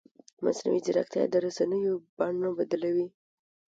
مصنوعي ځیرکتیا د رسنیو بڼه بدلوي.